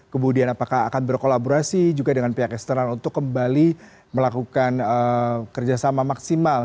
kemudian apakah akan berkolaborasi juga dengan pihak eksternal untuk kembali melakukan kerjasama maksimal